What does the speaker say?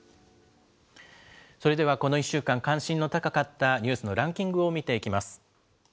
それではこの１週間、関心の高かったニュースのランキングを見ていきます。